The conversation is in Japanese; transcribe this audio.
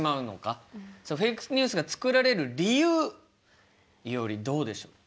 フェイクニュースが作られる理由いおりどうでしょう？